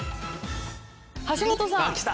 橋本さん。